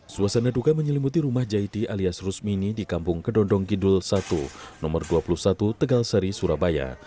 suasana duka menyelimuti rumah jahiti alias rusmini di kampung kedondong kidul satu nomor dua puluh satu tegalsari surabaya